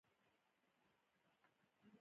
توتکۍ کله راځي؟